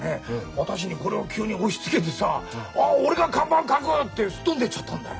私にこれを急に押しつけてさ「俺が看板を書く！」ってすっ飛んでいっちゃったんだよ。